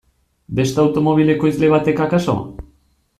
Beste automobil ekoizle batek akaso?